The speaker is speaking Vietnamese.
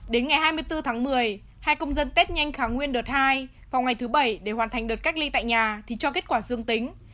đến ngày hai mươi bốn tháng một mươi hai công dân tết nhanh kháng nguyên đợt hai vào ngày thứ bảy để hoàn thành đợt cách ly tại nhà thì cho kết quả dương tính